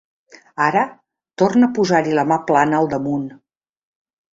Ara torna a posar-hi la mà plana al damunt.